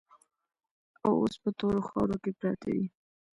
او اوس په تورو خاورو کې پراته دي.